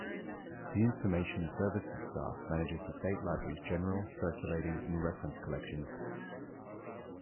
The Information Services staff manages the State Library's general, circulating and reference collections.